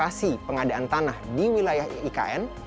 yang kedua memiliki lokasi pengadaan tanah di wilayah ikn